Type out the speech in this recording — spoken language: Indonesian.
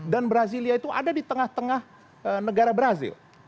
dan brasilia itu ada di tengah tengah negara brazil